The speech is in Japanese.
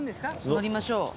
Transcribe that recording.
乗りましょう。